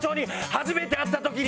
「初めて会った時に」